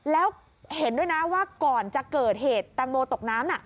แล้วเห็นด้วยนะว่าก่อนจะเกิดเหตุแตงโมตกน้ำ